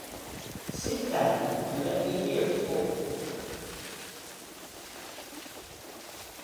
Sit down, and let me hear it all.